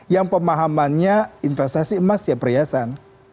yang pemahamannya investasi emas ya perhiasan